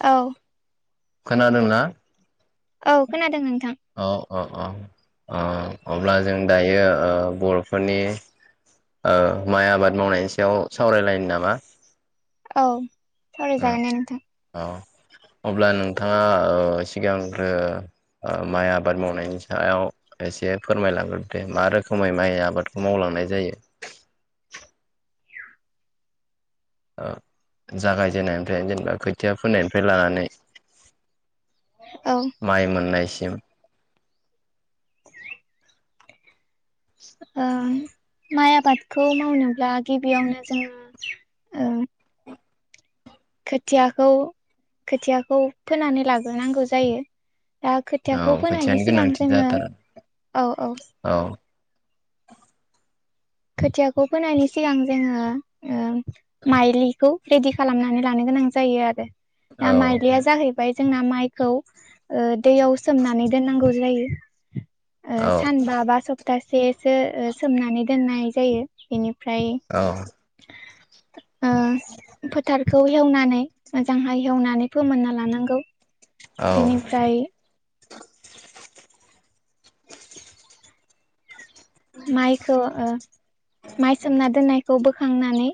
औ खोनादोंना औ खोनादों नोंथां औ औ औ ओ अब्ला जों दायो बर'फोरनि ओ माइ आबाद मावनायनि सायाव सावरायलायनो नामा औ उम सावरायजागोन नेे नोंथां औ अब्ला नोंथाङा सिगांग्रो माइ आबाद मावनायनि सायाव एसे फोरमायलांग्रो दे मा रोखोमै माइ आबादखौ मावलांनाय जायो जागायजेननायनिफ्राय जेनेबा खोथिया फोननायनिफ्राय लानानै औ माइ मोननायसिम माइ आबादखौ मावनोब्ला गिबियावनो जोङो खोथियाखौ खोथियाखौ फोनानै लाग्रोनांगौ जायो दा औ खोथियाखौ फोनायनि खोथियानि सिगां गोनांथि जोङो जाथारो औ औ औ खोथियाखौ फोनायनि सिगां जोङो ओ माइलिखौ रेडि खालामनानै लानो गोनां जायो आरो औ दा माइलिया जाहैबाय बाय जोंना माइखौ दैयाव सोमनानै दोननांगौ जायो औ सानबा बा सप्तासेसो सोमनानै दोननाय जायो बेनिफ्राय औ फोथारखौ हेवनानै मोजांहाय हेवनानै फोमोनना लानांगौ औ बेनिफ्राय माइखौ माइ सोमना दोननायखौ बोखांनानै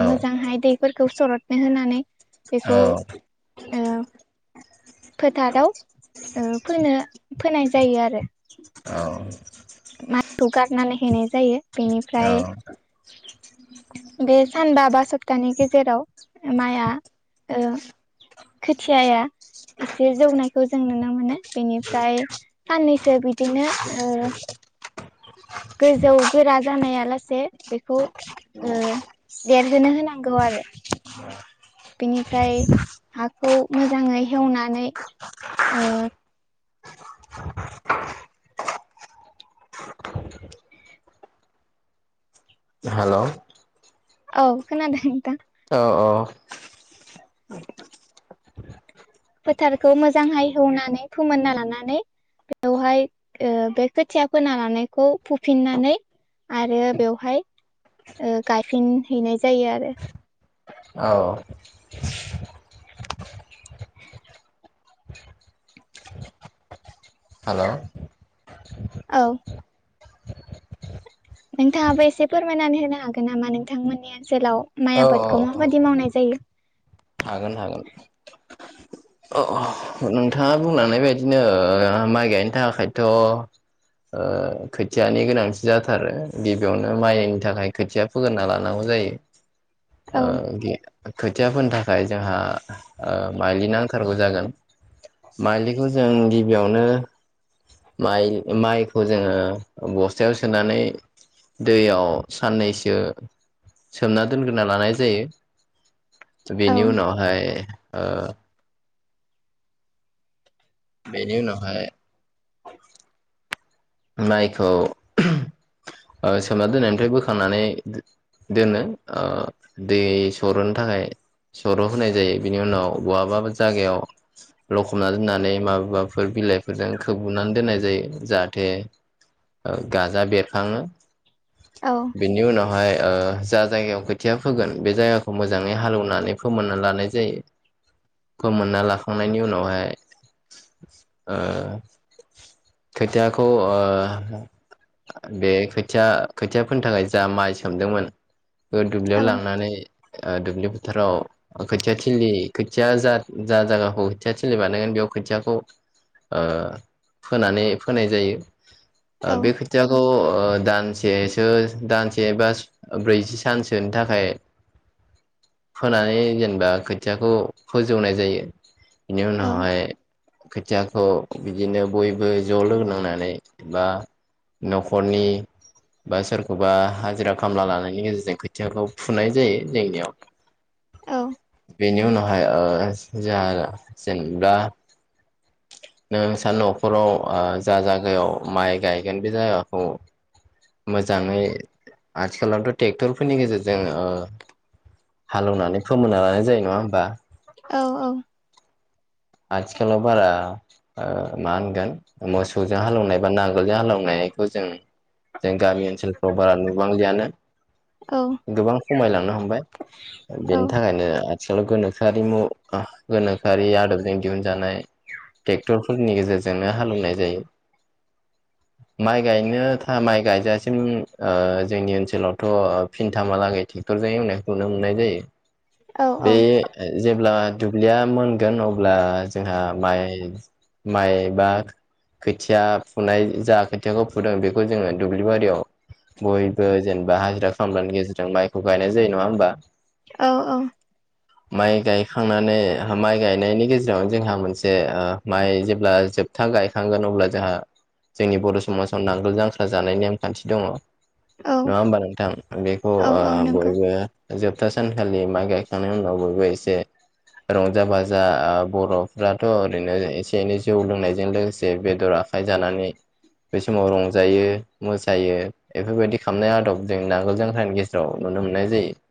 औ मोजांहाय दैफोरखौ सरदनो होनानै बेखौ फोथाराव फोनो फोनाय जायो आरो औ माइखौ गारनानै होनाय जायो औ बेनिफ्राय [inaudible] बे सानबा बा सप्तानि गेजेराव माइआ खोथियाया एसे जौनायखौ जों नुनो मोनो बेनिफ्राय साननैसो बिदिनो गोजौ गोरा जानायालासे बेखौ ओ देरहोनो होनांगौ आरो बेनिफ्राय हाखौ मोजाङै हेवनानै ओ हेल' औ खोनादों नोंथां औ औ फोथारखौ मोजांहाय हेवनानै फोमोनना लानानै बेवहाय बे खोथिया फोना लानायखौ फुफिननानै आरो बेवहाय गायफिन हैैनाय जायो आरो औ हेल' औ नोंथाङाबो एसे फोरमायनानै होनो हागोन नामा नोंथांमोननि ओनसोलाव माइ औ औ आबादखौ माबायदि मावनाय जायो हागोन हागोन अ अ नोंथाङा बुंलांनाय बायदिनो माइ गायनो थाखायथ' खोथियानि गोनांथि जाथारो गिबियावनो माइनि थाखाय खोथिया फोगोरना लानांगौ औ जायो [inaudible] खोथिया फोनो थाखाय जोंहा माइलि नांथारगौ जागोन माइलिखौ जों गिबियावनो माइ माइखौ जोङो बस्थायाव सोनानै दैयाव साननैसो सोमना दोनग्रोना लानाय जायो औ बेनि उनावहाय ओ बेनि उनावहाय माइखौ ओ सोमना दोननायनिफ्राय बोखांनानै दोनो ओ दै सरो थाखाय सर' होनाय जायो बिनि उनाव बहाबा जायगायाव लखबना दोननानै माबेबाफोर बिलाइफोरजों खोबबोनानै दोननाय जायो जा जाथे ओ गाजा बेरखाङो औ बेनि उनावहाय ओ जा जायगायाव खोथिया फोगोन बे जायगाखौ मोजाङै हाल एवनानै फोमोनना लानाय जायो। फोमोनना लाखांनायनि उनावहाय ओ खोथियाखौ ओ बे खोथिया खोथिया फोनो थाखाय जा माइ सोमदोंमोन ओ दुब्लियाव औ लांनानै ओ दुब्लि फोथाराव खोथिया थिलि खोथिया जा जा जागाखौ खोथिया थिलि बानायगोन बेयाव खोथियाखौ ओ फोनानै फोनाय जायो ओ औ बे खो थियाखौ ओ दानसेसो दानसे एबा ब्रैजि सानसोनि थाखाय फोनानै जेनबा खोथियाखौ फोजौनाय जायो। बिनि औ उनावहाय खोथियाखौ बिदिनो बयबो ज' लोगो नांनानै बा नखरनि बा सोरखौबा हाजिरा खामला लानायनि गेजेरजों खोथियाखौ फुनाय जायो जोंनियाव [inaudible] औ बेनि उनावहाय ओ जाहा जेनेब्ला नोंसा नखराव ओ जा जायगायाव माइ गायगोन बे जायगाखौ मोजाङै आथिखालावथ' ट्रेक्टरफोरनि गेजेरजों ओ हाल एवनानै फोमोनना लानाय जायो नङा ओमबा? औ औ आथिखालाव बारा ओ मा होनगोन मोसौजों हाल एवनाय बा नांगोलजों हाल एवनायखौ जों जों गामि ओनसोलफ्राव बारा नुबांलियानो औ गोबां खमायलांनो हमबाय बेनि थाखायनो आथिखालाव गोनोखोआरि मु गोनोखोआरि आदबजों दिहुनजानाय ट्रेक्टरफोरनि गेजेरजोंनो हाल एवनाय जायो। माइ गायनो था माइ गायजासिम ओ जोंनि ओनसोलावथ' फिनथामालागै ट्रेक्टरजों एवनायखौ नुनो मोननाय जायो औ बे जेब्ला दुब्लिया मोनगोन अब्ला जोंहा माइ माइ बा खोथिया फुनाय जा खोथियाखौ फुदों बेखौ जोंङो दुब्लि बारियाव बयबो जेनबा हाजिरा खामलानि गेजेरजों माइखौ गायनाय जायो नङा होमबा? औ औ [inaudible] माइ गायखांनानै माइ गायनायनि गेजेराव जोंहा मोनसे ओ माइ जेब्ला जोब था गायखांगोन अब्ला जोंहा जोंनि बर' समाजाव नांगोल जांख्रा जानाय नेमखान्थि दङ। औ नङ ओमबा नोंथां बेखौ औ ओ औ नंगौ बयबो ओ जोबथा सानखालि माइ गायखांनायनि उनाव बयबो एसे रंजा बाजा बर'फ्राथ' ओरैनो एसे एनै जौ लोंनायजों लोगोसे बेदर आ खाय जानानै बे समाव रंजायो मोसायो इफोरबायदि खालामनाय आदब जों ना गोल जांख्रानि गेजेराव नुनो मोननाय जायो।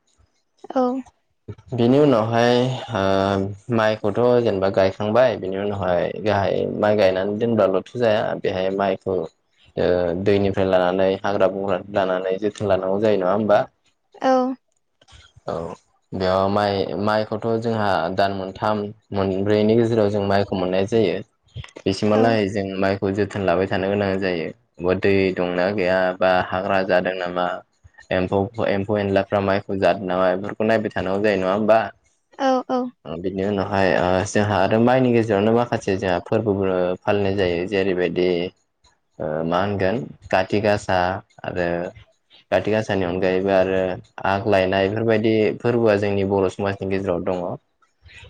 औ [inaudible] बिनि उनावहाय ओ माइखौथ' जेनबा गायखांबाय बिनि उनावहाय गाहाय माइ गायनानै दोनब्लाल'थ' जाया बेहाय माइखौ ओ दैनिफ्राय लानानै हाग्रा बंग्रानिफ्राय लानानै जोथोन लानांगौ जायो नङा होमबा? औ औ बेयाव माइ माइखौथ' जोंहा दान मोनथाम मोनब्रैनि गेजेराव जों माइखौ मोननाय जायो। औ बिसिमहालागै जों माइखौ जोथोन लाबाय थानो गोनां जायो। बा दै दंना गैया बा हाग्रा जादों नामा? एम्फौ एम्फौ एनलाफ्रा माइखौ जादों नामा बेफोरखौ नायबाय थानांगौ जायो नंङा होमबा? औ ओ बेनि उनाव हाया जोंहा आरो माइनि गेजेरावनो माखासे जोंहा फोरबोबो फालिनाय जायो। जेरैबायदि मा होनगोन काति गासा आरो काति गासानि अनगायैबो आरो आग्लायनाय बेफोरबायदि फोरबोआ जोंनि बर' समाजनि गेजेराव दङ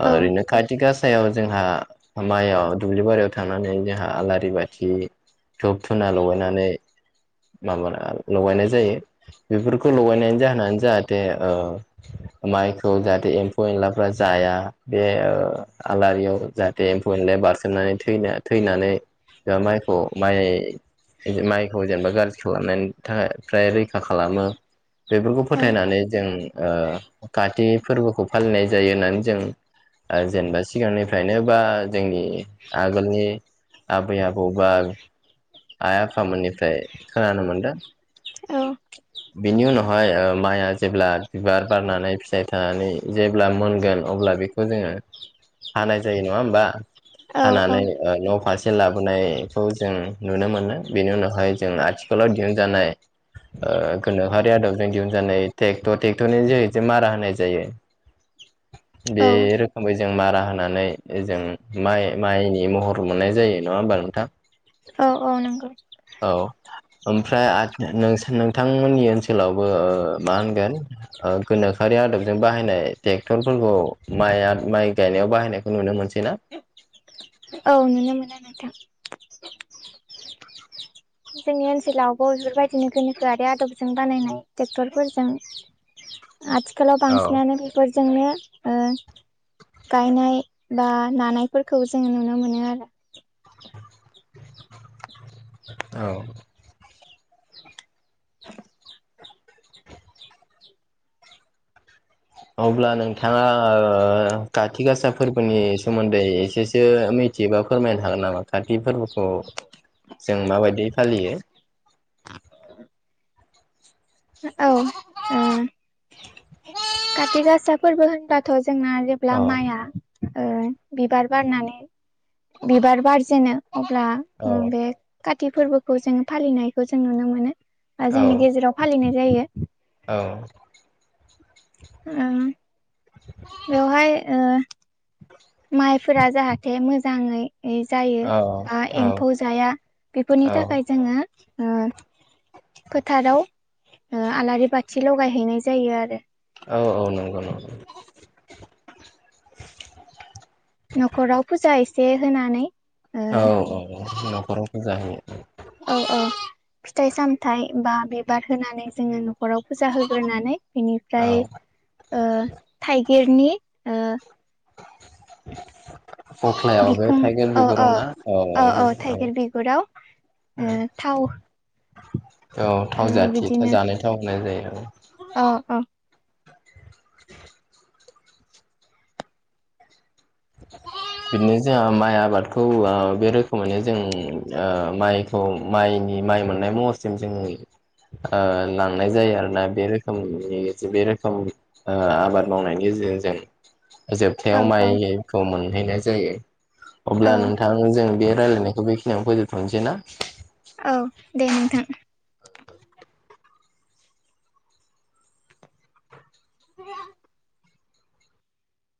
औ ओरैनो काति गासायाव जोंहा माइआव दुब्लि बारियाव थांनानै जोंहा आलारि बाथि धुब धुना लगायनानै माबा लगायनाय जायो। बेफोरखौ लगायनायनि जाहोनानो जाहाथे ओ माइखौ जाहाथे एम्फौ एनलाफोरा जाया बे ओ आलारियाव जाहा ए एम्फौ एलाया बारसोमनानै थैना थैनानै माइखौ माइ इदि माइखौ जेनेबा गाज्रि खालामनायनि थाखाय फ्राय रैखा खालामो। बेफोरखौ फोथायनानै जों ओ काति फोरबोखौ फालिनाय जायो होननानै जों ओ जेनेबा सिगांनिफ्रायनो बा जोंनि आगोलनि आबै आबौ बा आइ आफामोननिफ्राय खोनानो मोनदो। बिनि उनावहाय ओ माइआ जेब्ला बिबार बारनानै फिथाइ थायनानै जेब्ला मोनगोन अब्ला बे खौ जोङो हानाय जायो नङा होमबा? औ हानानै न' फारसे लाबोनायखौ जों नुनो मोनो बेनि उनावहाय जों आथिखालाव दिहुनजानाय। ओ गोनोखोआरि आदबजों दिहुनजानाय टेक्टर टेक्टरनि जोहैसो मारा होनाय जायो। [unintelligible] बे रोखोमै जों मारा होनानै जों माइ माइनि महर मोननाय जायो नङा होमबा नोंथां? औ औ नंगौ औ ओमफ्राय आथ नों नोंथांमोननि ओनसोलावबो ओ मा होनगोन? ओ गोनखोआरि आदबजों बाहायनाय टेक्टरफोरखौ माइ आ माइ गायनायाव बाहायनायखौ नुनो मोनसै ना? औ नुनो मोनो नोंथां। जोंनि ओनसोलावबो बेफोरबायदिनो गोनोखोआरि आदबजों बानायनाय टेक्टरफोरजों [inaudible] आथिखालाव औ बांसिनानो बेफोरजोंनो ओ। गायनाय बा नानायफोरखौ जोङो नुनो मोनो आरो। औ अब्ला नोंथाङा ओ काति गासा फोरबोनि सोमोन्दै एसेसो मि थियोबा फोरमायनो हागोन नामा काति फोरबोखौ जों माबायदि फालियो? औ उम काति गासा फोरबो होनबाथ' जोंना जेब्ला औ माइआ ओ बिबार बारनानै बिबार बारजेनो अब्ला ओ औ बे काति फोरबोखौ जों फालिनायखौ जों नुनो मोनो ओ औ जोंनि गेजेराव फालिनाय जायो। औ ओम बेवहाय ओ। माइफोरा जाहाथे मोजाङै जायो बा औ एम्फौ जाया बेफोरनि औ थाखाय जोङो फोथाराव आलारि बाथि लगायहैनाय जायो आरो। औ-औ नंगौ नंगौ। न'खराव फुजा एसे होनानै ओ औ औ न'खराव फुजा होयो। औ-औ फिथाइ सामथाइ बा बिबार होनानै जोङो न'खराव फुजा होग्रोनानै बेनिफ्राय औ ओ थाइगिरनि ओ [inaudible] कख्लायाव बे बिखं थाइगिर ओ ओ बिगुरावना औ औ औ ओ थाव औ थाव जाथि जानाय थाव होननाय जायो औ अ ओं बिदिनो जोंहा माइ आबादखौ बे रोखोमैनो जों माइ औ माइनि माइ मोननाय महरसिम जों नुयो। लांनाय जायो आरोना बे रोखोमनि बे रोखोम ओ आबाद मावनायनि गेजेरजों जोबथायाव औ औ माइखौ मोनहैनाय जायो। अब्ला औ नोंथां जों बे रायल्लायनायखौ बेखिनियाव फोजोबथ'नोसै ना? औ दे नोंथां। [inaudible]